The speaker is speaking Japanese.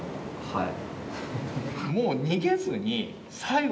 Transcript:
はい。